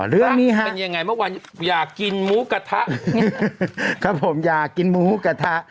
เรื่องนี้ฮะเป็นยังไงเมื่อวานอยากกินหมูกระทะครับผมอยากกินหมูกระทะ